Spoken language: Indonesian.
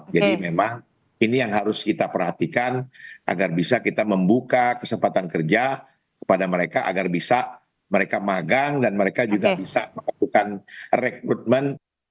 jadi memang ini yang harus kita perhatikan agar bisa kita membuka kesempatan kerja kepada mereka agar bisa mereka magang dan mereka juga bisa melakukan rekrutmen